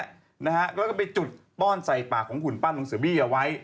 แล้วก็ไปจุดป้อนใส่ปากของหุ่นปั้นลุงเสือบี้เอาไว้